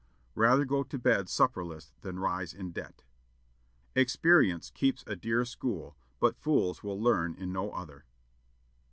"Rather go to bed supperless than rise in debt." "Experience keeps a dear school, but fools will learn in no other."